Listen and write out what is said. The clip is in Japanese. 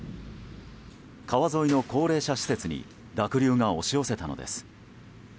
川沿いの高齢者施設に濁流が押し寄せたのです。